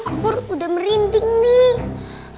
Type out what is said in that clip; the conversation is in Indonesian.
aku udah merinding nih